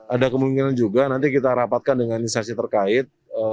ada kemungkinan juga nanti kita rapatkan dengan instansi terkait